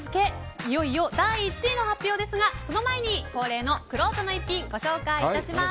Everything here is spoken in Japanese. いよいよ第１位の発表ですがその前に恒例のくろうとの逸品をご紹介いたします。